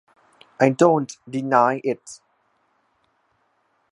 I don't deny it.